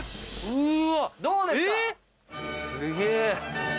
うわ！